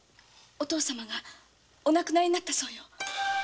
お父様がお亡くなりになったそうよ。